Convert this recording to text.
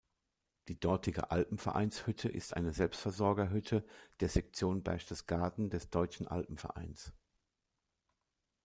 Die dortige Alpenvereinshütte ist eine Selbstversorgerhütte der Sektion Berchtesgaden des Deutschen Alpenvereins.